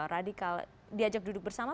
radikal diajak duduk bersama